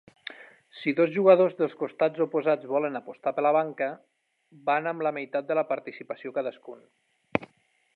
Si dos jugadors dels costats oposats volen "apostar per la banca", van amb la meitat de la participació cadascun.